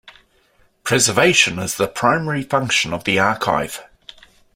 Preservation is the primary function of the Archive.